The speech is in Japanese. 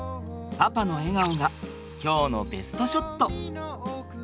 パパの笑顔が今日のベストショット。